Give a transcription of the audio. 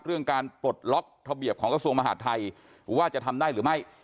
เรื่องการปลดล็อกระเบียบของกระทรวงมหาดไทยว่าจะทำได้หรือไม่